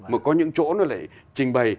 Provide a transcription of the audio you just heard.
mà có những chỗ nó lại trình bày